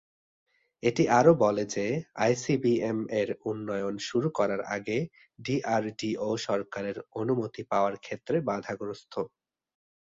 এটি আরও বলে যে আইসিবিএম-এর উন্নয়ন শুরু করার আগে ডিআরডিও সরকারের অনুমতি পাওয়ার ক্ষেত্রে বাধাগ্রস্থ।